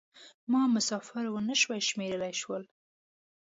ما مسافر و نه شوای شمېرلای شول.